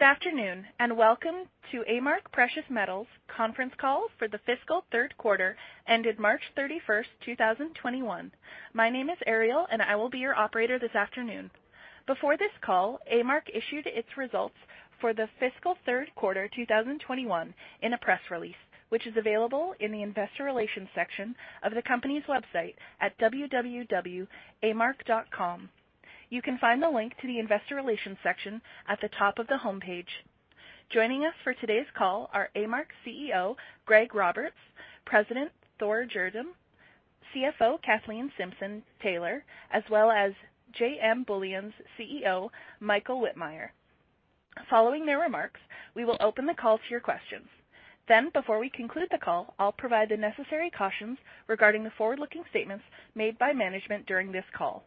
Good afternoon. Welcome to A-Mark Precious Metals' conference call for the fiscal third quarter ended March 31st, 2021. My name is Ariel, and I will be your operator this afternoon. Before this call, A-Mark issued its results for the fiscal third quarter 2021 in a press release, which is available in the investor relations section of the company's website at www.amark.com. You can find the link to the investor relations section at the top of the homepage. Joining us for today's call are A-Mark's CEO, Greg Roberts, President Thor Gjerdrum, CFO Kathleen Simpson-Taylor, as well as JM Bullion's CEO, Michael Wittmeyer. Following their remarks, we will open the call to your questions. Before we conclude the call, I'll provide the necessary cautions regarding the forward-looking statements made by management during this call.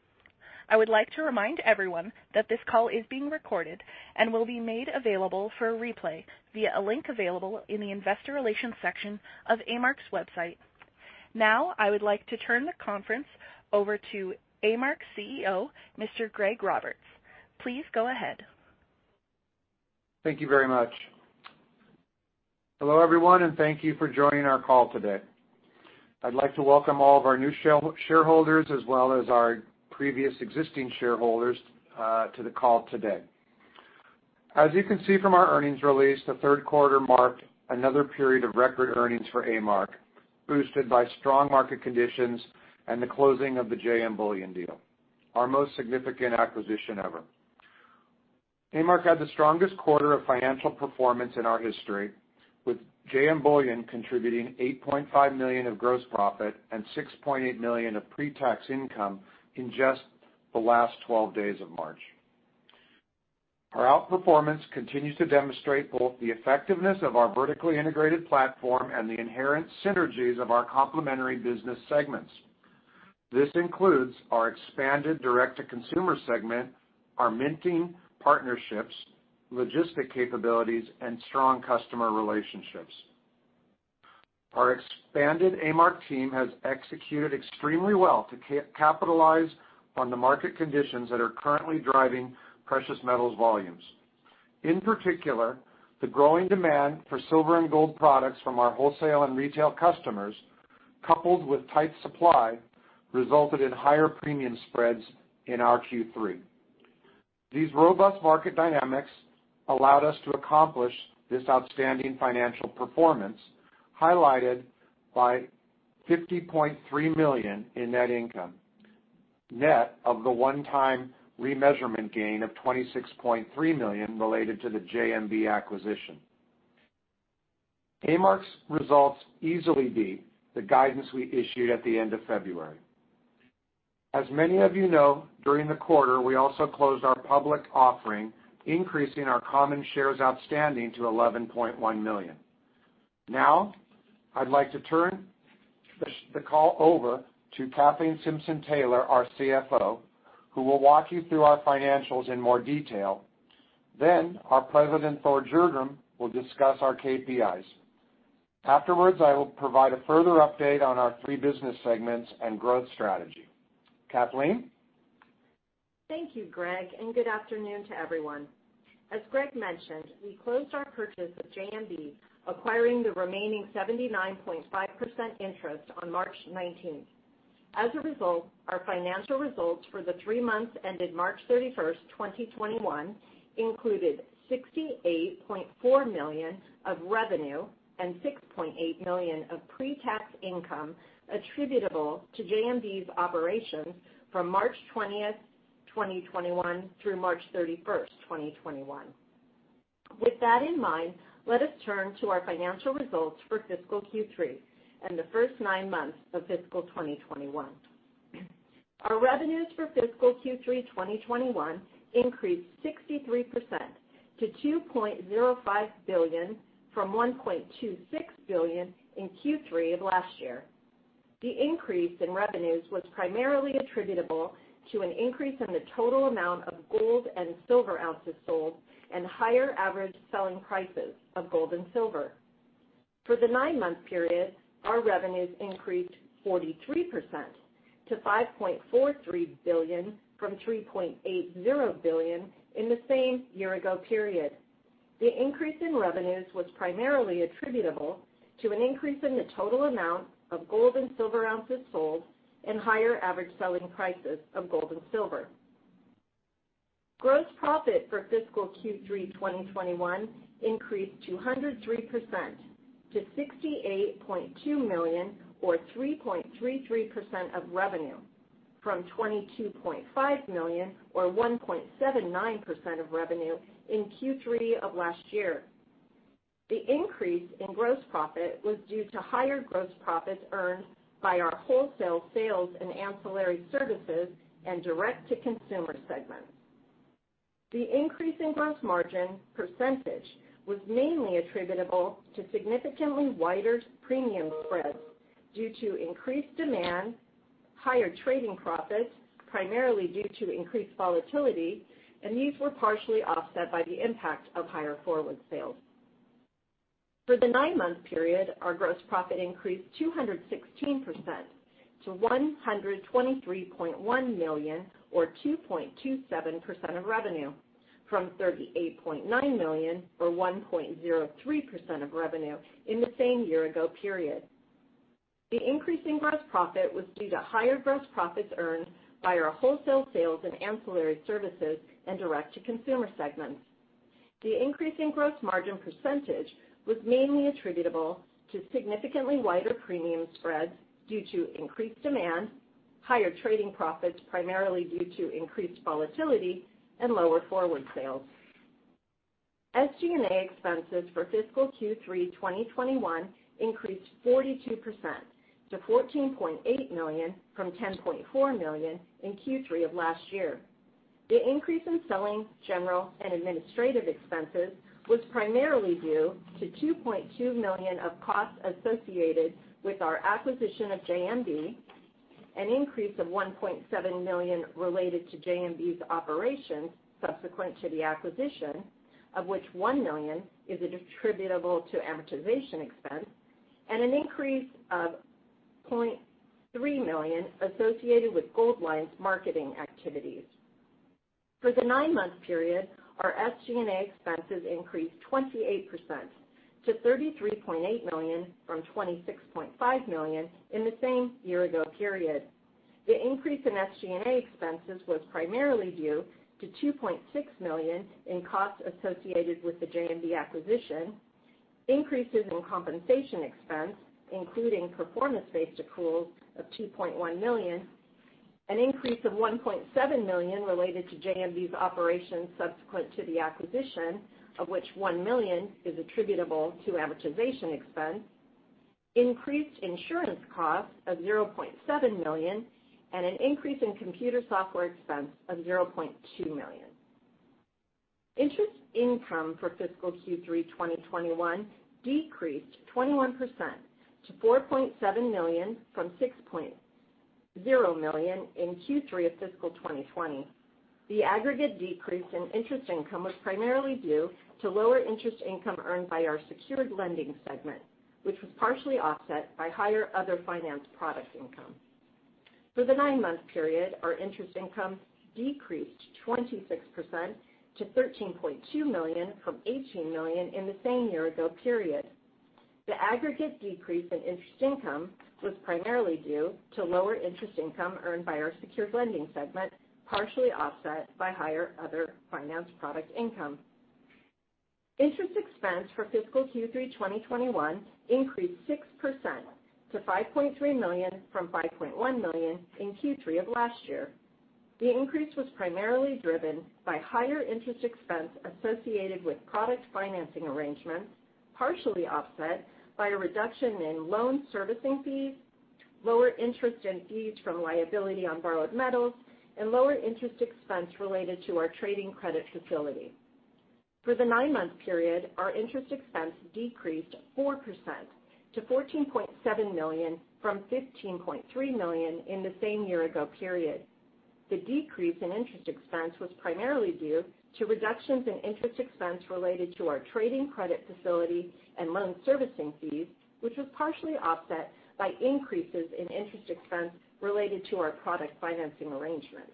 I would like to remind everyone that this call is being recorded and will be made available for replay via a link available in the investor relations section of A-Mark's website. I would like to turn the conference over to A-Mark's CEO, Mr. Greg Roberts. Please go ahead. Thank you very much. Hello, everyone, and thank you for joining our call today. I'd like to welcome all of our new shareholders as well as our previous existing shareholders to the call today. As you can see from our earnings release, the third quarter marked another period of record earnings for A-Mark, boosted by strong market conditions and the closing of the JM Bullion deal, our most significant acquisition ever. A-Mark had the strongest quarter of financial performance in our history, with JM Bullion contributing $8.5 million of gross profit and $6.8 million of pre-tax income in just the last 12 days of March. Our outperformance continues to demonstrate both the effectiveness of our vertically integrated platform and the inherent synergies of our complementary business segments. This includes our expanded direct-to-consumer segment, our minting partnerships, logistics capabilities, and strong customer relationships. Our expanded A-Mark team has executed extremely well to capitalize on the market conditions that are currently driving precious metals volumes. In particular, the growing demand for silver and gold products from our wholesale and retail customers, coupled with tight supply, resulted in higher premium spreads in our Q3. These robust market dynamics allowed us to accomplish this outstanding financial performance, highlighted by $50.3 million in net income, net of the one-time remeasurement gain of $26.3 million related to the JMB acquisition. A-Mark's results easily beat the guidance we issued at the end of February. As many of you know, during the quarter, we also closed our public offering, increasing our common shares outstanding to 11.1 million. I'd like to turn the call over to Kathleen Simpson-Taylor, our CFO, who will walk you through our financials in more detail. Our President, Thor Gjerdrum, will discuss our KPIs. Afterwards, I will provide a further update on our three business segments and growth strategy. Kathleen? Thank you, Greg, good afternoon to everyone. As Greg mentioned, we closed our purchase of JMB, acquiring the remaining 79.5% interest on March 19th. As a result, our financial results for the three months ended March 31st, 2021, included $68.4 million of revenue and $6.8 million of pre-tax income attributable to JMB's operations from March 20th, 2021, through March 31st, 2021. With that in mind, let us turn to our financial results for fiscal Q3 and the first nine months of fiscal 2021. Our revenues for fiscal Q3 2021 increased 63% to $2.05 billion from $1.26 billion in Q3 of last year. The increase in revenues was primarily attributable to an increase in the total amount of gold and silver ounces sold and higher average selling prices of gold and silver. For the nine-month period, our revenues increased 43% to $5.43 billion from $3.80 billion in the same year-ago period. The increase in revenues was primarily attributable to an increase in the total amount of gold and silver ounces sold and higher average selling prices of gold and silver. Gross profit for fiscal Q3 2021 increased 203% to $68.2 million, or 3.33% of revenue, from $22.5 million or 1.79% of revenue in Q3 of last year. The increase in gross profit was due to higher gross profits earned by our wholesale sales and ancillary services and direct-to-consumer segments. The increase in gross margin percentage was mainly attributable to significantly wider premium spreads due to increased demand, higher trading profits, primarily due to increased volatility, and these were partially offset by the impact of higher forward sales. For the nine-month period, our gross profit increased 216% to $123.1 million or 2.27% of revenue from $38.9 million or 1.03% of revenue in the same year-ago period. The increase in gross profit was due to higher gross profits earned by our wholesale sales and ancillary services and direct-to-consumer segments. The increase in gross margin percentage was mainly attributable to significantly wider premium spreads due to increased demand, higher trading profits primarily due to increased volatility and lower forward sales. SG&A expenses for fiscal Q3 2021 increased 42% to $14.8 million from $10.4 million in Q3 of last year. The increase in selling, general and administrative expenses was primarily due to $2.2 million of costs associated with our acquisition of JMB, an increase of $1.7 million related to JMB's operations subsequent to the acquisition, of which $1 million is attributable to amortization expense, and an increase of $0.3 million associated with Goldline's marketing activities. For the nine-month period, our SG&A expenses increased 28% to $33.8 million from $26.5 million in the same year ago period. The increase in SG&A expenses was primarily due to $2.6 million in costs associated with the JMB acquisition, increases in compensation expense, including performance-based accruals of $2.1 million, an increase of $1.7 million related to JMB's operations subsequent to the acquisition, of which $1 million is attributable to amortization expense, increased insurance costs of $0.7 million, and an increase in computer software expense of $0.2 million. Interest income for fiscal Q3 2021 decreased 21% to $4.7 million from $6.0 million in Q3 of fiscal 2020. The aggregate decrease in interest income was primarily due to lower interest income earned by our secured lending segment, which was partially offset by higher other finance product income. For the nine-month period, our interest income decreased 26% to $13.2 million from $18 million in the same year ago period. The aggregate decrease in interest income was primarily due to lower interest income earned by our secured lending segment, partially offset by higher other finance product income. Interest expense for fiscal Q3 2021 increased 6% to $5.3 million from $5.1 million in Q3 of last year. The increase was primarily driven by higher interest expense associated with product financing arrangements, partially offset by a reduction in loan servicing fees, lower interest and fees from liability on borrowed metals, and lower interest expense related to our trading credit facility. For the nine-month period, our interest expense decreased 4% to $14.7 million from $15.3 million in the same year ago period. The decrease in interest expense was primarily due to reductions in interest expense related to our trading credit facility and loan servicing fees, which was partially offset by increases in interest expense related to our product financing arrangements.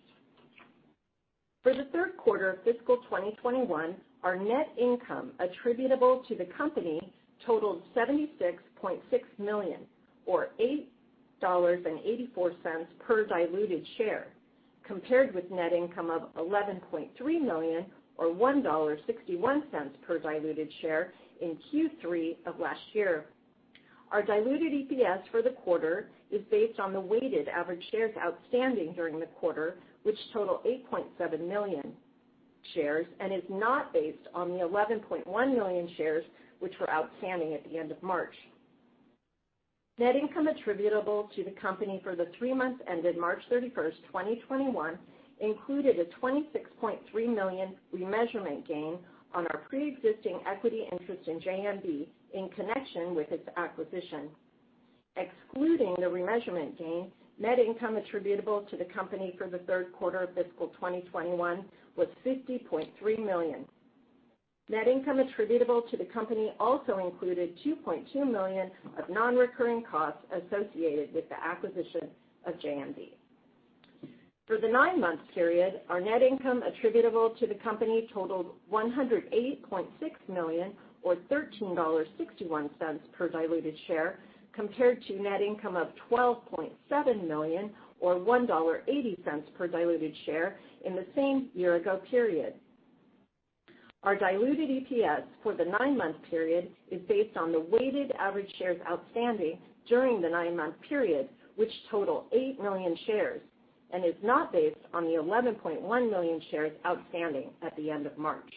For the third quarter of fiscal 2021, our net income attributable to the company totaled $76.6 million or $8.84 per diluted share, compared with net income of $11.3 million or $1.61 per diluted share in Q3 of last year. Our diluted EPS for the quarter is based on the weighted average shares outstanding during the quarter, which total 8.7 million shares and is not based on the 11.1 million shares which were outstanding at the end of March. Net income attributable to the company for the three months ended March 31st, 2021 included a $26.3 million remeasurement gain on our preexisting equity interest in JMB in connection with its acquisition. Excluding the remeasurement gain, net income attributable to the company for the third quarter of fiscal 2021 was $50.3 million. Net income attributable to the company also included $2.2 million of non-recurring costs associated with the acquisition of JMB. For the nine-month period, our net income attributable to the company totaled $108.6 million or $13.61 per diluted share compared to net income of $12.7 million or $1.80 per diluted share in the same year-ago period. Our diluted EPS for the nine-month period is based on the weighted average shares outstanding during the nine-month period, which total eight million shares and is not based on the 11.1 million shares outstanding at the end of March.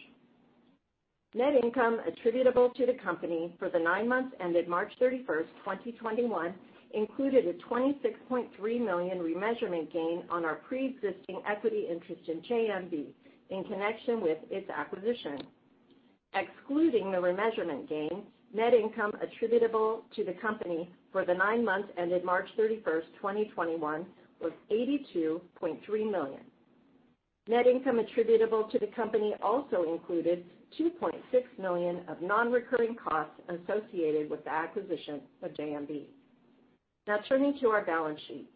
Net income attributable to the company for the nine months ended March 31st, 2021 included a $26.3 million remeasurement gain on our preexisting equity interest in JMB in connection with its acquisition. Excluding the remeasurement gain, net income attributable to the company for the nine months ended March 31st, 2021 was $82.3 million. Net income attributable to the company also included $2.6 million of non-recurring costs associated with the acquisition of JMB. Now turning to our balance sheet.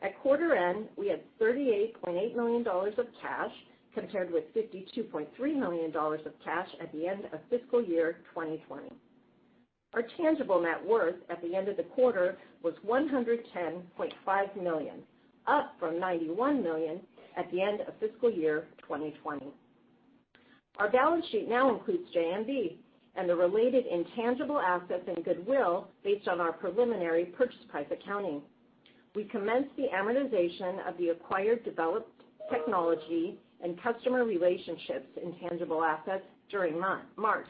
At quarter end, we had $38.8 million of cash, compared with $52.3 million of cash at the end of fiscal year 2020. Our tangible net worth at the end of the quarter was $110.5 million, up from $91 million at the end of fiscal year 2020. Our balance sheet now includes JMB, and the related intangible assets and goodwill based on our preliminary purchase price accounting. We commenced the amortization of the acquired developed technology and customer relationships intangible assets during March.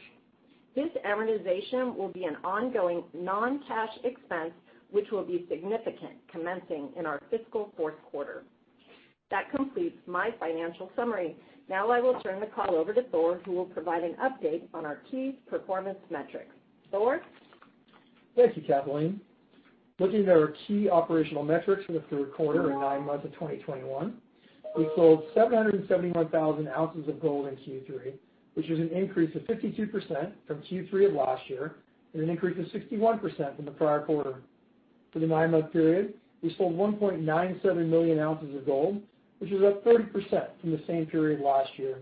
This amortization will be an ongoing non-cash expense, which will be significant commencing in our fiscal fourth quarter. That completes my financial summary. Now I will turn the call over to Thor, who will provide an update on our key performance metrics. Thor? Thank you, Kathleen. Looking at our key operational metrics for the third quarter and nine months of 2021, we sold 771,000 ounces of gold in Q3, which is an increase of 52% from Q3 of last year and an increase of 61% from the prior quarter. For the nine-month period, we sold 1.97 million ounces of gold, which is up 30% from the same period last year.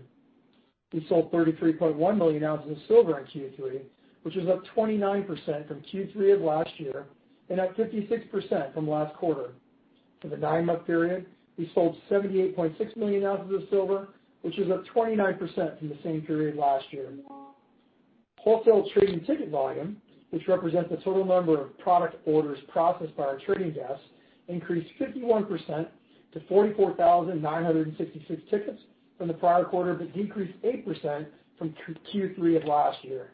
We sold 33.1 million ounces of silver in Q3, which is up 29% from Q3 of last year and up 56% from last quarter. For the nine-month period, we sold 78.6 million ounces of silver, which is up 29% from the same period last year. Wholesale trading ticket volume, which represents the total number of product orders processed by our trading desk, increased 51% to 44,966 tickets from the prior quarter. Decreased 8% from Q3 of last year.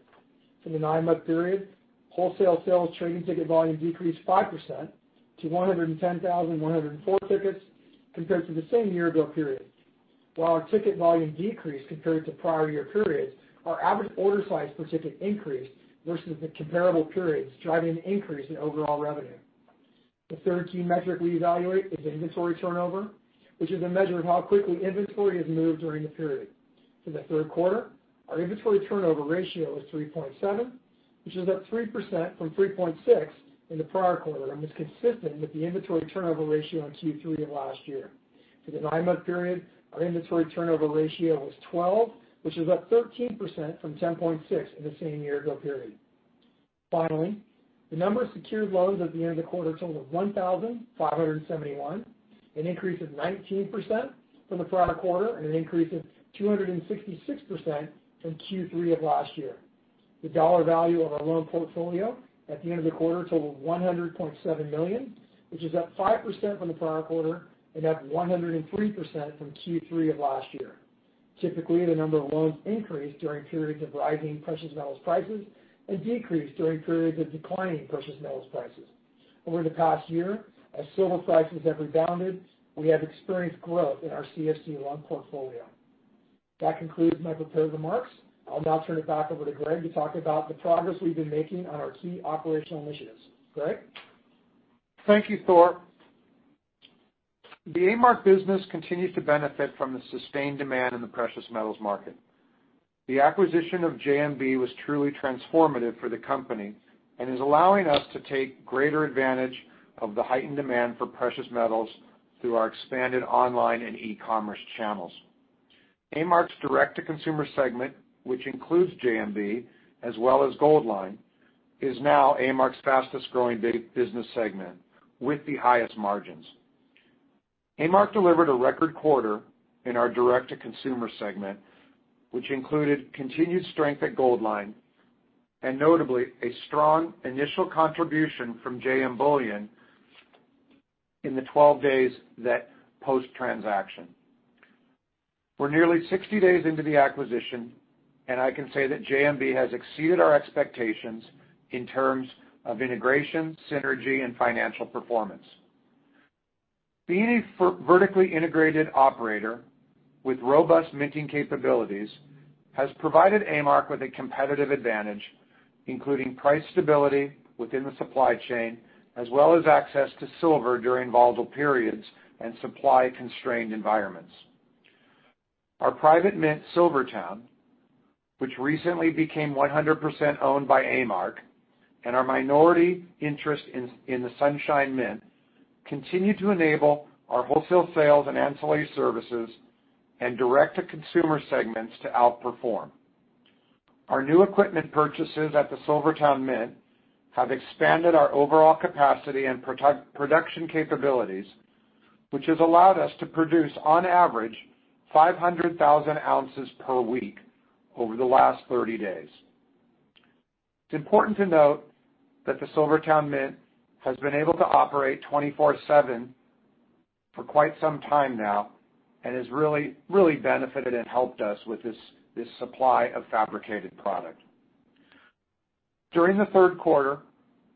For the nine-month period, wholesale sales trading ticket volume decreased 5% to 110,104 tickets compared to the same year-ago period. While our ticket volume decreased compared to prior year periods, our average order size per ticket increased versus the comparable periods, driving an increase in overall revenue. The third key metric we evaluate is inventory turnover, which is a measure of how quickly inventory has moved during the period. For the third quarter, our inventory turnover ratio was 3.7, which is up 3% from 3.6 in the prior quarter and was consistent with the inventory turnover ratio in Q3 of last year. For the nine-month period, our inventory turnover ratio was 12, which is up 13% from 10.6 in the same year-ago period. Finally, the number of secured loans at the end of the quarter totaled 1,571, an increase of 19% from the prior quarter and an increase of 266% from Q3 of last year. The dollar value of our loan portfolio at the end of the quarter totaled $100.7 million, which is up 5% from the prior quarter and up 103% from Q3 of last year. Typically, the number of loans increase during periods of rising precious metals prices and decrease during periods of declining precious metals prices. Over the past year, as silver prices have rebounded, we have experienced growth in our CFC loan portfolio. That concludes my prepared remarks. I'll now turn it back over to Greg to talk about the progress we've been making on our key operational initiatives. Greg? Thank you, Thor. The A-Mark business continues to benefit from the sustained demand in the precious metals market. The acquisition of JMB was truly transformative for the company and is allowing us to take greater advantage of the heightened demand for precious metals through our expanded online and e-commerce channels. A-Mark's direct-to-consumer segment, which includes JMB as well as Goldline, is now A-Mark's fastest-growing business segment with the highest margins. A-Mark delivered a record quarter in our direct-to-consumer segment, which included continued strength at Goldline and notably, a strong initial contribution from JM Bullion in the 12 days post-transaction. We're nearly 60 days into the acquisition, and I can say that JMB has exceeded our expectations in terms of integration, synergy, and financial performance. Being a vertically integrated operator with robust minting capabilities has provided A-Mark with a competitive advantage, including price stability within the supply chain, as well as access to silver during volatile periods and supply-constrained environments. Our private mint, SilverTowne, which recently became 100% owned by A-Mark, and our minority interest in the Sunshine Minting, continue to enable our wholesale sales and ancillary services and direct-to-consumer segments to outperform. Our new equipment purchases at the SilverTowne Mint have expanded our overall capacity and production capabilities, which has allowed us to produce, on average, 500,000 ounces per week over the last 30 days. It's important to note that the SilverTowne Mint has been able to operate 24/7 for quite some time now and has really benefited and helped us with this supply of fabricated product. During the third quarter,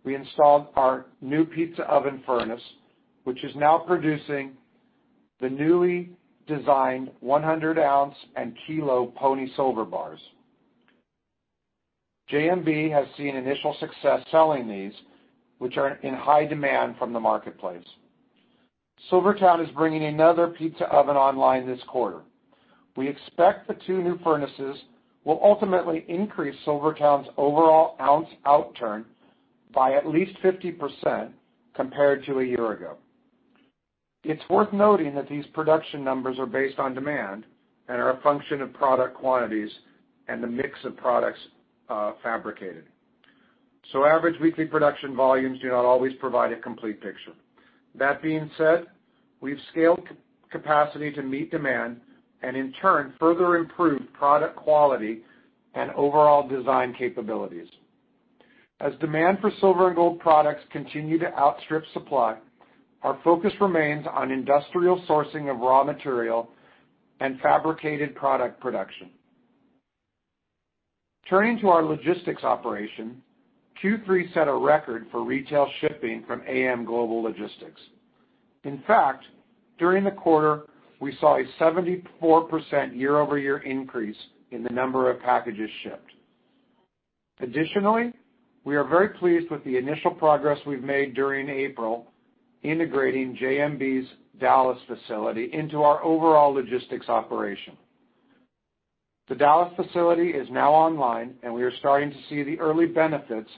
we installed our new pizza oven furnace, which is now producing the newly designed 100-ounce and kilo Pony Express silver bars. JMB has seen initial success selling these, which are in high demand from the marketplace. SilverTowne is bringing another pizza oven online this quarter. We expect the two new furnaces will ultimately increase SilverTowne's overall ounce outturn by at least 50% compared to a year ago. It's worth noting that these production numbers are based on demand and are a function of product quantities and the mix of products fabricated. Average weekly production volumes do not always provide a complete picture. That being said, we've scaled capacity to meet demand and in turn, further improved product quality and overall design capabilities. As demand for silver and gold products continue to outstrip supply, our focus remains on industrial sourcing of raw material and fabricated product production. Turning to our logistics operation, Q3 set a record for retail shipping from A-M Global Logistics. In fact, during the quarter, we saw a 74% year-over-year increase in the number of packages shipped. Additionally, we are very pleased with the initial progress we've made during April integrating JMB's Dallas facility into our overall logistics operation. The Dallas facility is now online, and we are starting to see the early benefits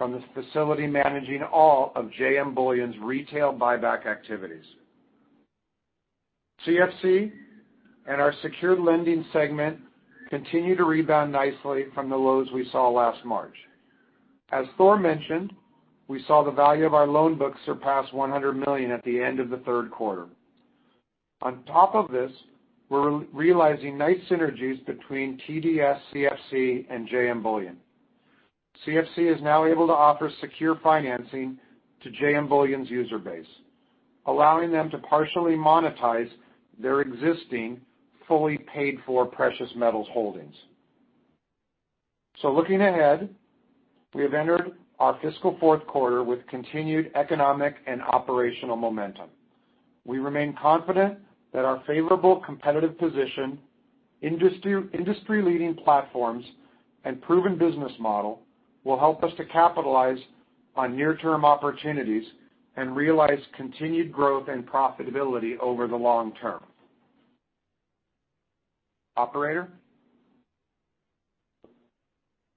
from this facility managing all of JM Bullion's retail buyback activities. CFC and our secured lending segment continue to rebound nicely from the lows we saw last March. As Thor mentioned, we saw the value of our loan book surpass $100 million at the end of the third quarter. On top of this, we're realizing nice synergies between TDS CFC and JM Bullion. CFC is now able to offer secure financing to JM Bullion's user base, allowing them to partially monetize their existing fully paid for precious metals holdings. Looking ahead, we have entered our fiscal fourth quarter with continued economic and operational momentum. We remain confident that our favorable competitive position, industry-leading platforms, and proven business model will help us to capitalize on near-term opportunities and realize continued growth and profitability over the long term. Operator?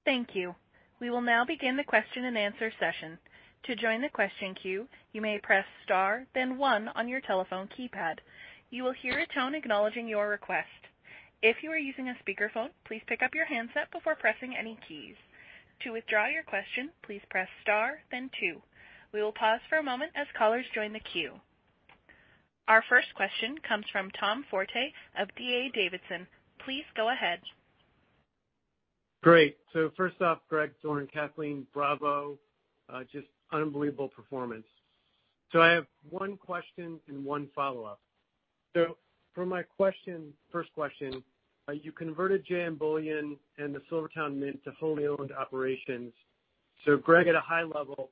Thank you. We will now begin the question and answer session. To join the question queue you may press star then one on your telephone keypad. You will hear a tone acknowledging your request. If you are using a speaker phone please pickup your hands before pressing any keys. To withdraw your question, please press star then two. We will pause for a moment as callers join the queue. Our first question comes from Tom Forte of D.A. Davidson. Please go ahead. Great. First off, Greg, Thor, and Kathleen, bravo. Just unbelievable performance. I have one question and one follow-up. For my first question, you converted JM Bullion and the SilverTowne Mint to wholly owned operations. Greg, at a high level,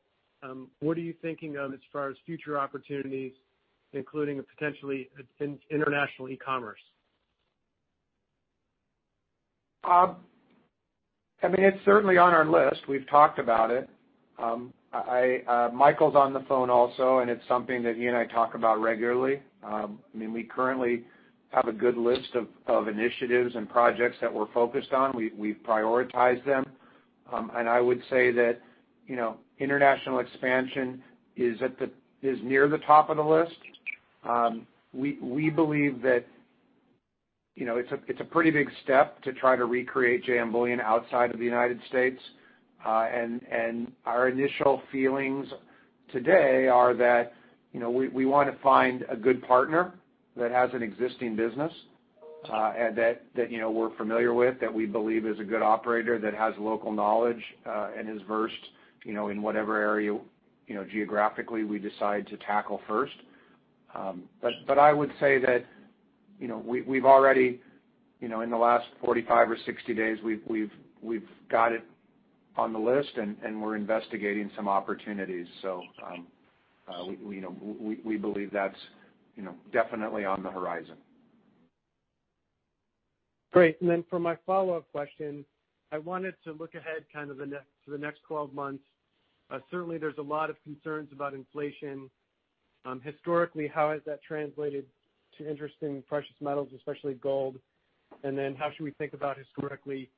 what are you thinking of as far as future opportunities, including potentially international e-commerce? It's certainly on our list. We've talked about it. Michael's on the phone also, and it's something that he and I talk about regularly. We currently have a good list of initiatives and projects that we're focused on. We've prioritized them. I would say that international expansion is near the top of the list. We believe that it's a pretty big step to try to recreate JM Bullion outside of the United States, and our initial feelings today are that we want to find a good partner that has an existing business, that we're familiar with, that we believe is a good operator, that has local knowledge, and is versed in whatever area geographically we decide to tackle first. I would say that we've already, in the last 45 or 60 days, we've got it on the list, and we're investigating some opportunities. We believe that's definitely on the horizon. Great. For my follow-up question, I wanted to look ahead to the next 12 months. Certainly, there's a lot of concerns about inflation. Historically, how has that translated to interest in precious metals, especially gold? How should we think about historically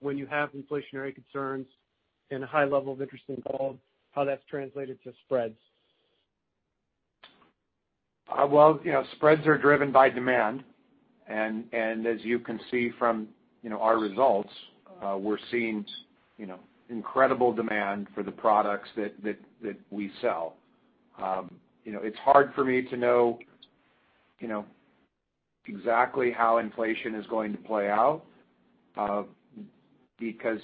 when you have inflationary concerns and a high level of interest in gold, how that's translated to spreads? Well, spreads are driven by demand, and as you can see from our results, we're seeing incredible demand for the products that we sell. It's hard for me to know exactly how inflation is going to play out because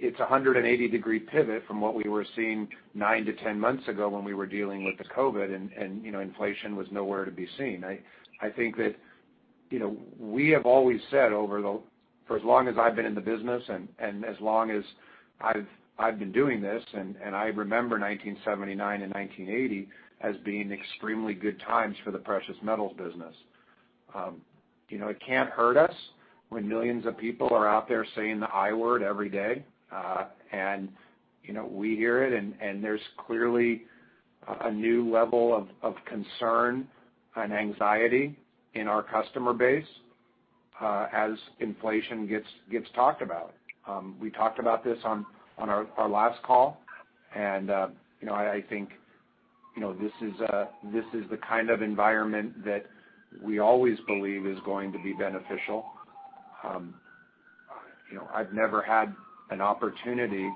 it's 180-degree pivot from what we were seeing nine to 10 months ago when we were dealing with the COVID and inflation was nowhere to be seen. I think that we have always said for as long as I've been in the business and as long as I've been doing this, and I remember 1979 and 1980 as being extremely good times for the precious metals business. It can't hurt us when millions of people are out there saying the I word every day. We hear it, and there's clearly a new level of concern and anxiety in our customer base as inflation gets talked about. We talked about this on our last call. I think this is the kind of environment that we always believe is going to be beneficial. I've never had an opportunity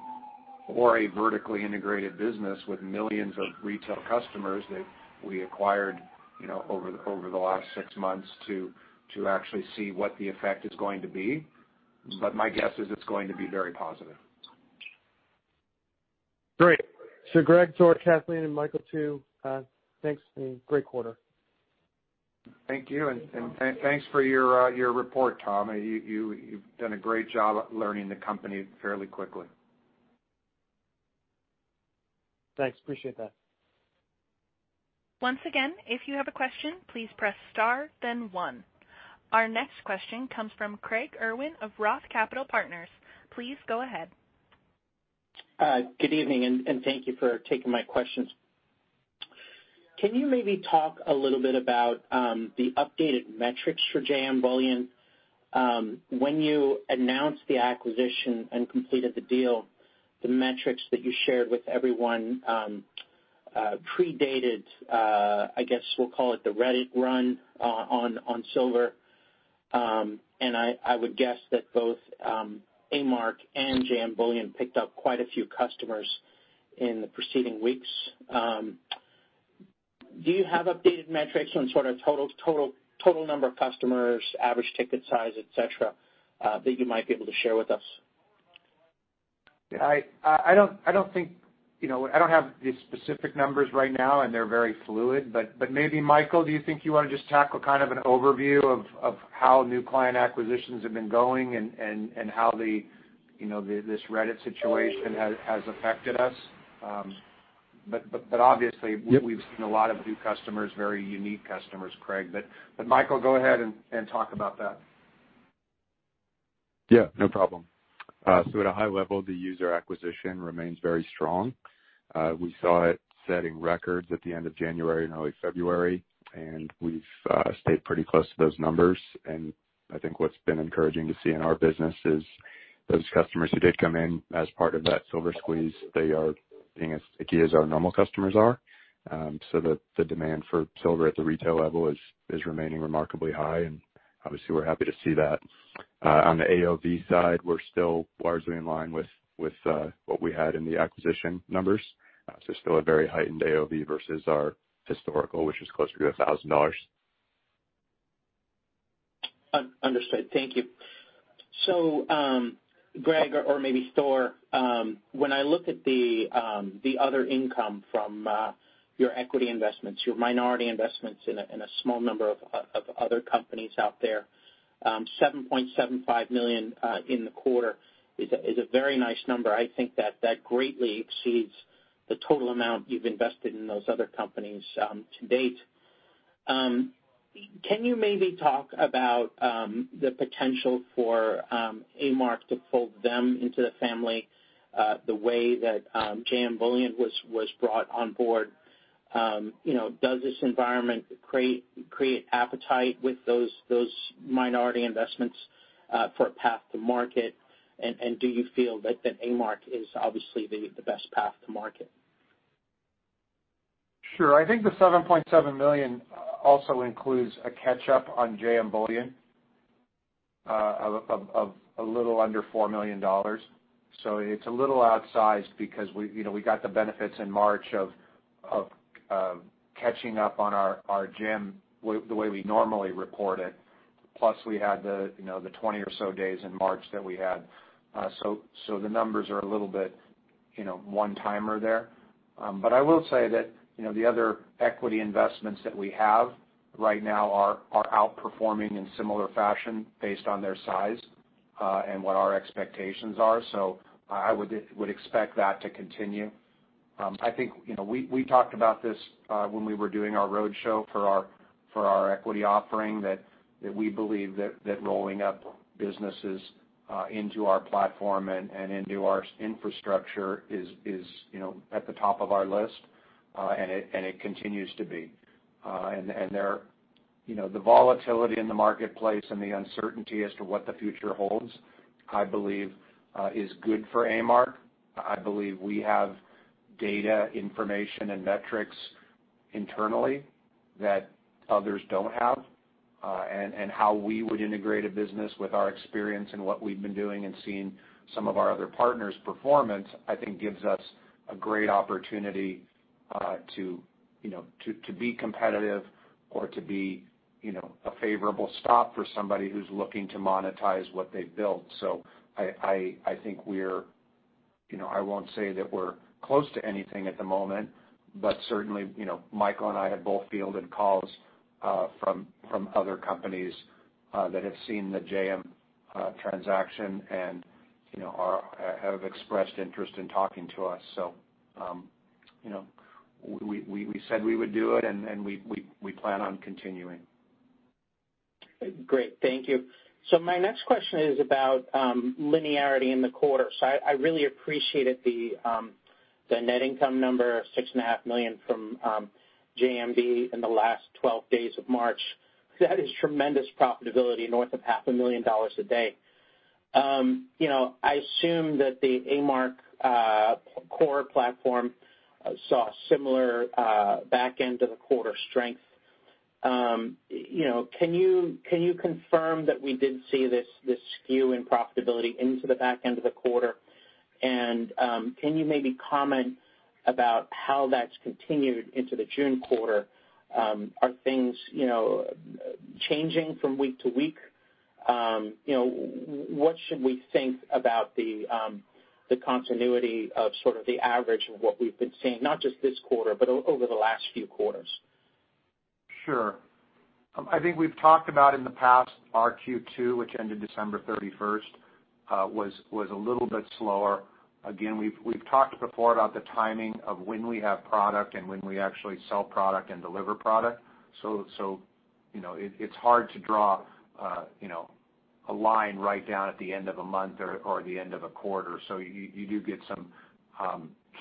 or a vertically integrated business with millions of retail customers that we acquired over the last six months to actually see what the effect is going to be. My guess is it's going to be very positive. Great. Greg, Thor, Kathleen, and Michael, too, thanks, and great quarter. Thank you, and thanks for your report, Tom. You've done a great job at learning the company fairly quickly. Thanks. Appreciate that. Once again, if you have a question, please press star, then one. Our next question comes from Craig Irwin of Roth Capital Partners. Please go ahead. Good evening, and thank you for taking my questions. Can you maybe talk a little bit about the updated metrics for JM Bullion? When you announced the acquisition and completed the deal, the metrics that you shared with everyone predated, I guess we'll call it the Reddit run on silver. I would guess that both A-Mark and JM Bullion picked up quite a few customers in the preceding weeks. Do you have updated metrics on sort of total number of customers, average ticket size, et cetera, that you might be able to share with us? I don't have the specific numbers right now, and they're very fluid, but maybe Michael, do you think you want to just tackle kind of an overview of how new client acquisitions have been going and how this Reddit situation has affected us? Yep we've seen a lot of new customers, very unique customers, Craig. Michael, go ahead and talk about that. Yeah, no problem. At a high level, the user acquisition remains very strong. We saw it setting records at the end of January and early February, and we've stayed pretty close to those numbers. I think what's been encouraging to see in our business is those customers who did come in as part of that silver squeeze, they are being as sticky as our normal customers are. The demand for silver at the retail level is remaining remarkably high, and obviously, we're happy to see that. On the AOV side, we're still largely in line with what we had in the acquisition numbers. It's still a very heightened AOV versus our historical, which is closer to $1,000. Understood. Thank you. Greg, or maybe Thor, when I look at the other income from your equity investments, your minority investments in a small number of other companies out there, $7.75 million in the quarter is a very nice number. I think that greatly exceeds the total amount you've invested in those other companies to date. Can you maybe talk about the potential for A-Mark to fold them into the family the way that JM Bullion was brought on board? Does this environment create appetite with those minority investments for a path to market? Do you feel that A-Mark is obviously the best path to market? Sure. I think the $7.7 million also includes a catch up on JM Bullion of a little under $4 million. It's a little outsized because we got the benefits in March of catching up on our JM the way we normally report it. Plus, we had the 20 or so days in March that we had. The numbers are a little bit one-timer there. I will say that the other equity investments that we have right now are outperforming in similar fashion based on their size, and what our expectations are. I would expect that to continue. I think we talked about this when we were doing our road show for our equity offering, that we believe that rolling up businesses into our platform and into our infrastructure is at the top of our list. It continues to be. The volatility in the marketplace and the uncertainty as to what the future holds, I believe, is good for A-Mark. I believe we have data, information, and metrics internally that others don't have. How we would integrate a business with our experience and what we've been doing and seeing some of our other partners' performance, I think gives us a great opportunity to be competitive or to be a favorable stop for somebody who's looking to monetize what they've built. I think I won't say that we're close to anything at the moment, but certainly, Michael and I have both fielded calls from other companies that have seen the JM transaction and have expressed interest in talking to us. We said we would do it, and we plan on continuing. Great. Thank you. My next question is about linearity in the quarter. I really appreciated the net income number of $6.5 million from JMB in the last 12 days of March. That is tremendous profitability, north of half a million dollars a day. I assume that the A-Mark core platform saw similar back end of the quarter strength. Can you confirm that we did see this skew in profitability into the back end of the quarter, and can you maybe comment about how that's continued into the June quarter? Are things changing from week to week? What should we think about the continuity of sort of the average of what we've been seeing, not just this quarter, but over the last few quarters? Sure. I think we've talked about in the past, our Q2, which ended December 31st, was a little bit slower. Again, we've talked before about the timing of when we have product and when we actually sell product and deliver product. It's hard to draw a line right down at the end of a month or the end of a quarter. You do get some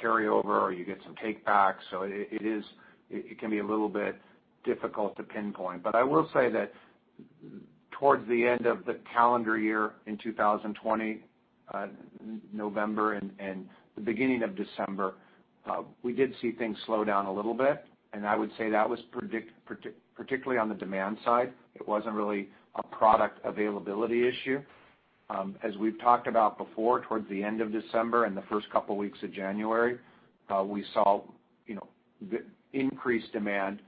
carryover, or you get some take-backs. It can be a little bit difficult to pinpoint. I will say that towards the end of the calendar year in 2020, November and the beginning of December, we did see things slow down a little bit, and I would say that was particularly on the demand side. It wasn't really a product availability issue. As we've talked about before, towards the end of December and the first couple weeks of January, we saw increased demand,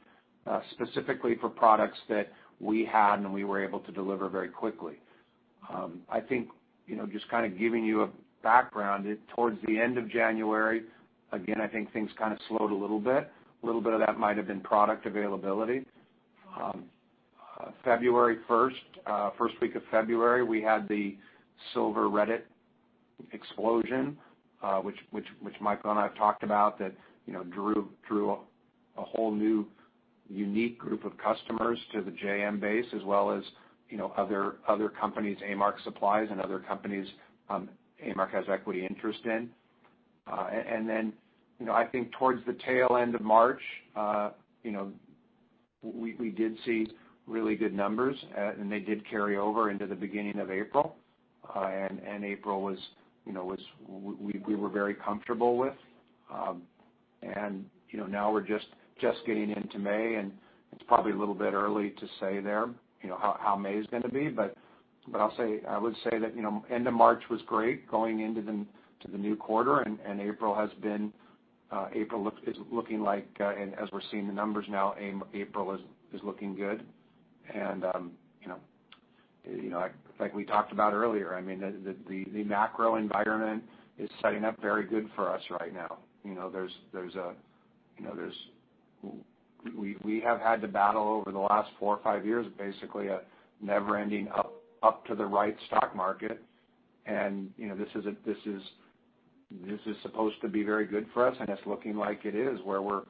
specifically for products that we had and we were able to deliver very quickly. I think, just kind of giving you a background, towards the end of January, again, I think things kind of slowed a little bit. A little bit of that might have been product availability. First week of February, we had the silver squeeze, which Michael and I have talked about, that drew a whole new unique group of customers to the JM base as well as other companies A-Mark supplies and other companies A-Mark has equity interest in. I think towards the tail end of March, we did see really good numbers, and they did carry over into the beginning of April. April, we were very comfortable with. Now we're just getting into May, and it's probably a little bit early to say there how May's going to be. I would say that end of March was great going into the new quarter, and April is looking like, as we're seeing the numbers now, April is looking good. Like we talked about earlier, I mean, the macro environment is setting up very good for us right now. We have had to battle over the last four or five years, basically, a never-ending up to the right stock market. This is supposed to be very good for us, and it's looking like it is, where we're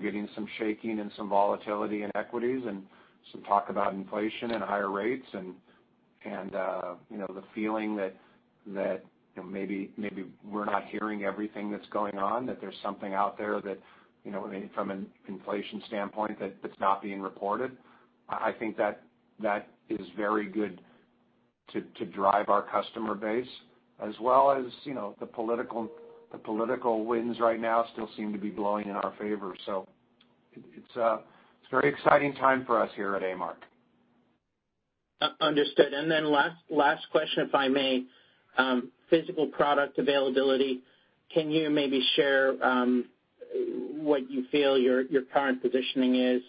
getting some shaking and some volatility in equities and some talk about inflation and higher rates and the feeling that maybe we're not hearing everything that's going on, that there's something out there that, from an inflation standpoint, that's not being reported. I think that is very good to drive our customer base as well as the political winds right now still seem to be blowing in our favor. It's a very exciting time for us here at A-Mark. Understood. Last question, if I may. Physical product availability, can you maybe share what you feel your current positioning is,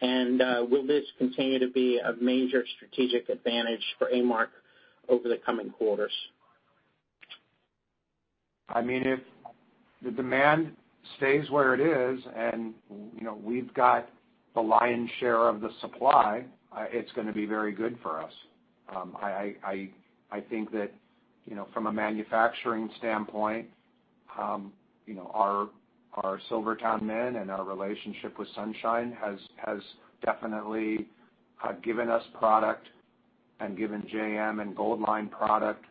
and will this continue to be a major strategic advantage for A-Mark over the coming quarters? If the demand stays where it is and we've got the lion's share of the supply, it's going to be very good for us. I think that from a manufacturing standpoint, our SilverTowne Mint and our relationship with Sunshine Minting has definitely given us product and given JM and Goldline product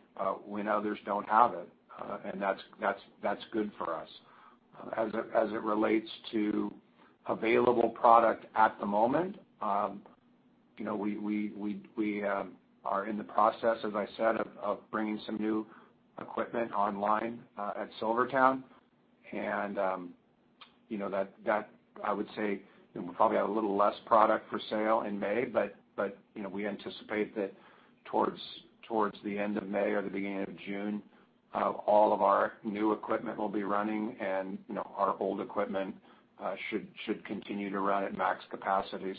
when others don't have it. That's good for us. As it relates to available product at the moment, we are in the process, as I said, of bringing some new equipment online at SilverTowne Mint. That I would say we'll probably have a little less product for sale in May, but we anticipate that towards the end of May or the beginning of June, all of our new equipment will be running, and our old equipment should continue to run at max capacity.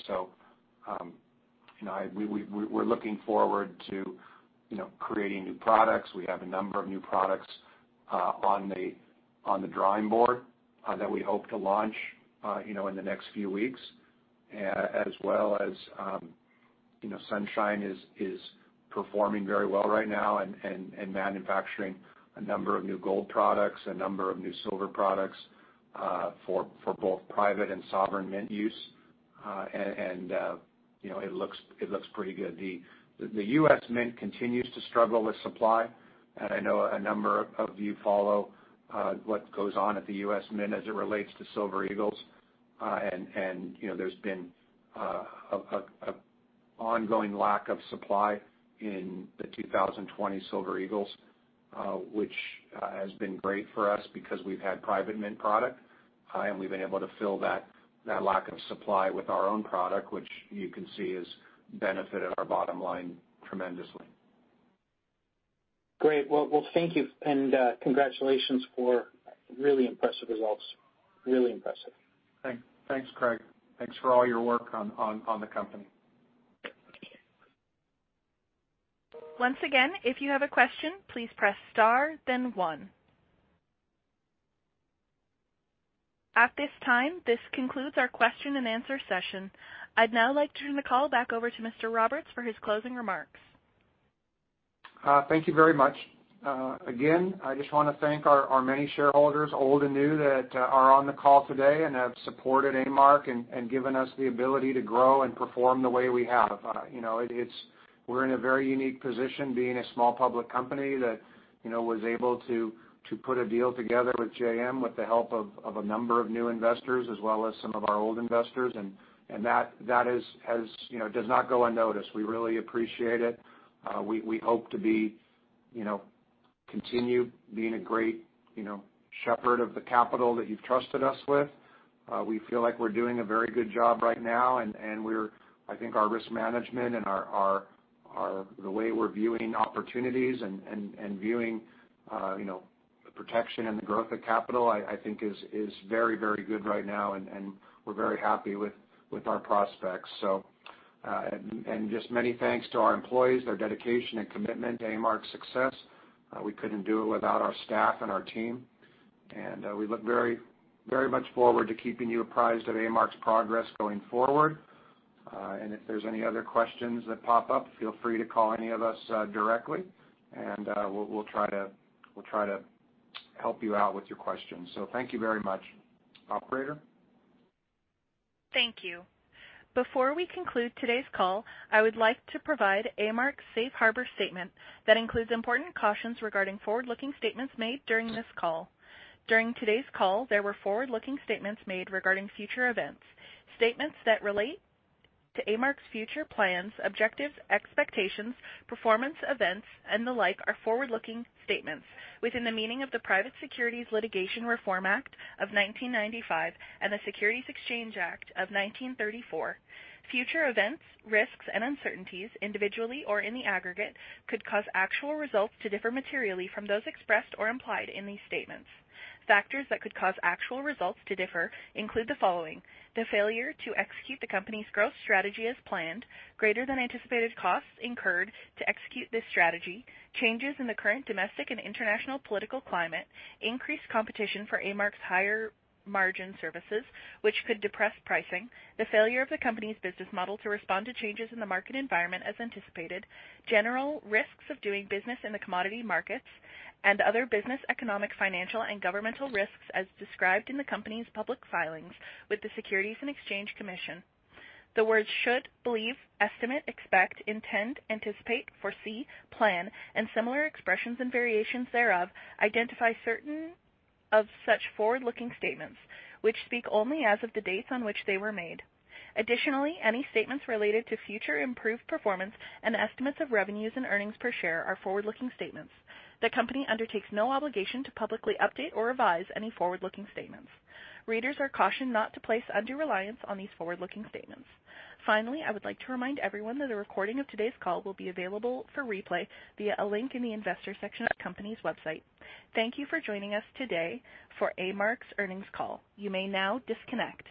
We're looking forward to creating new products. We have a number of new products on the drawing board that we hope to launch in the next few weeks, as well as Sunshine is performing very well right now and manufacturing a number of new gold products, a number of new silver products for both private and sovereign mint use. It looks pretty good. The US Mint continues to struggle with supply, and I know a number of you follow what goes on at the US Mint as it relates to Silver Eagles. There's been an ongoing lack of supply in the 2020 Silver Eagles, which has been great for us because we've had private mint product, and we've been able to fill that lack of supply with our own product, which you can see has benefited our bottom line tremendously. Great. Well, thank you, and congratulations for really impressive results. Really impressive. Thanks, Craig. Thanks for all your work on the company. Once again, if you have a question, please press star then one. At this time, this concludes our question and answer session. I'd now like to turn the call back over to Mr. Roberts for his closing remarks. Thank you very much. I just want to thank our many shareholders, old and new, that are on the call today and have supported A-Mark and given us the ability to grow and perform the way we have. We're in a very unique position, being a small public company that was able to put a deal together with JM with the help of a number of new investors as well as some of our old investors. That does not go unnoticed. We really appreciate it. We hope to continue being a great shepherd of the capital that you've trusted us with. We feel like we're doing a very good job right now. I think our risk management and the way we're viewing opportunities and viewing the protection and the growth of capital, I think is very good right now, and we're very happy with our prospects. Just many thanks to our employees, their dedication and commitment to A-Mark's success. We couldn't do it without our staff and our team, and we look very much forward to keeping you apprised of A-Mark's progress going forward. If there's any other questions that pop up, feel free to call any of us directly, and we'll try to help you out with your questions. Thank you very much. Operator? Thank you. Before we conclude today's call, I would like to provide A-Mark's Safe Harbor statement that includes important cautions regarding forward-looking statements made during this call. During today's call, there were forward-looking statements made regarding future events. Statements that relate to A-Mark's future plans, objectives, expectations, performance events, and the like are forward-looking statements within the meaning of the Private Securities Litigation Reform Act of 1995 and the Securities Exchange Act of 1934. Future events, risks, and uncertainties, individually or in the aggregate, could cause actual results to differ materially from those expressed or implied in these statements. Factors that could cause actual results to differ include the following. The failure to execute the company's growth strategy as planned, greater than anticipated costs incurred to execute this strategy, changes in the current domestic and international political climate, increased competition for A-Mark's higher margin services, which could depress pricing, the failure of the company's business model to respond to changes in the market environment as anticipated, general risks of doing business in the commodity markets, and other business, economic, financial, and governmental risks as described in the company's public filings with the Securities and Exchange Commission. The words should, believe, estimate, expect, intend, anticipate, foresee, plan, and similar expressions and variations thereof identify certain of such forward-looking statements, which speak only as of the dates on which they were made. Additionally, any statements related to future improved performance and estimates of revenues and earnings per share are forward-looking statements. The company undertakes no obligation to publicly update or revise any forward-looking statements. Readers are cautioned not to place undue reliance on these forward-looking statements. Finally, I would like to remind everyone that a recording of today's call will be available for replay via a link in the investor section of the company's website. Thank you for joining us today for A-Mark's earnings call. You may now disconnect.